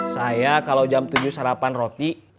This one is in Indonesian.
saya kalau jam tujuh sarapan roti